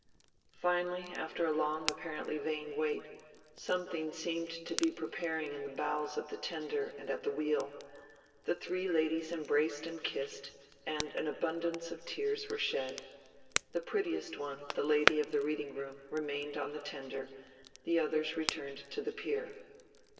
Finally, after a long, apparently vain wait, something seemed to be preparing in the bowels of the tender and at the wheel. The three ladies embraced and kissed, and an abundance of tears were shed. The prettiest one, the lady of the reading room, remained on the tender; the others returned to the pier.